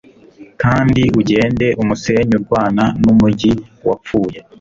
kandi ugende umusenyi urwana numujyi wapfuye